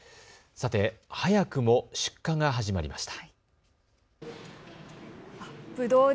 さて、早くも出荷が始まりました。